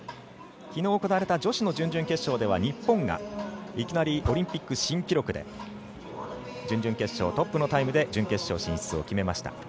きのう、行われた女子の準々決勝では日本がいきなりオリンピック新記録で準々決勝トップのタイムで準決勝進出を決めました。